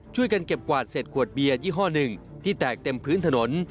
ช่วยกันเก็บกวาดเศษขวดเบียร์ยี่ห้อหนึ่งที่แตกเต็มพื้นถนน